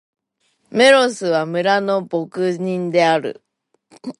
メロスは、村の牧人である。